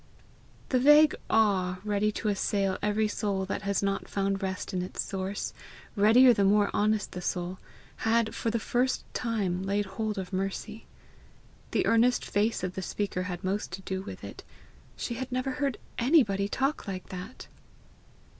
The vague awe ready to assail every soul that has not found rest in its source, readier the more honest the soul, had for the first time laid hold of Mercy. The earnest face of the speaker had most to do with it. She had never heard anybody talk like that!